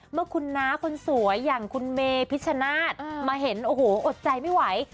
เมื่อคุณน้าคนสวยอย่างคุณเมพิชชนาธิ์มาเห็นโอ้โหอดใจไม่ไหว